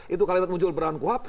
itu kalimat muncul beran kuhap